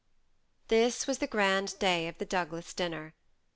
This was the grand day of the Douglas dinner.